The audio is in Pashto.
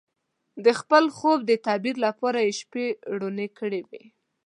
د خپل خوب د تعبیر لپاره یې شپې روڼې کړې وې.